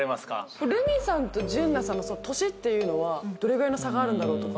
ルミさんと純奈さんの年っていうのはどれぐらいの差があるんだろうとか。